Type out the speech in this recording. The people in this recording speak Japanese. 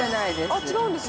◆あ、違うんです？